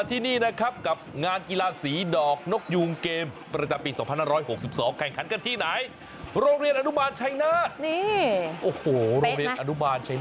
ถึงขั้นว่าหาซื้อไม้ดำเมเยอร์เนี่ยไปควงเล่นที่บ้าน